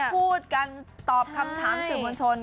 พูดกันตอบคำถามสื่อมวลชน